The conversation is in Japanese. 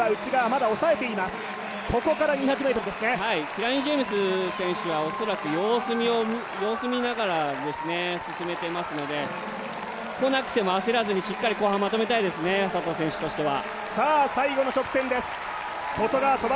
キラニ・ジェームズ選手は恐らく様子をみながら進めてますので、来なくても焦らずに後半しっかりとまとめたいですね佐藤選手としては。